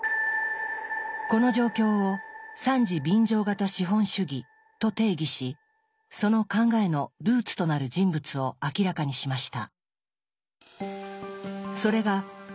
この状況を「惨事便乗型資本主義」と定義しその考えのルーツとなる人物を明らかにしました。